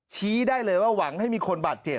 ชี้ได้เลยว่าหวังให้มีคนบาดเจ็บ